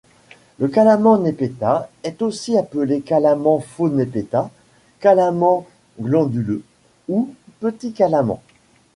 Le Calament népéta est aussi appelé Calament faux népéta, Calament glanduleux ou petit Calament.